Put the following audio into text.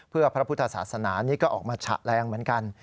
เพื่อพระพุทธศาสนานี้ก็ออกมาฉะแรงเหมือนกัน